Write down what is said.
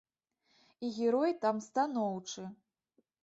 І герой там станоўчы.